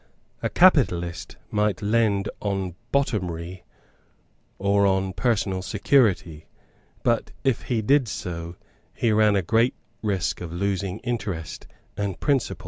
A capitalist might lend on bottomry or on personal security; but, if he did so, he ran a great risk of losing interest and principal.